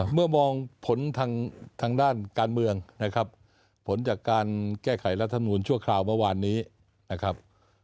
เมื่อมองผลทางด้านการเมืองนะครับผลจากการแก้ไขรัฐมนูลชั่วคราวเมื่อวานนี้นะครับ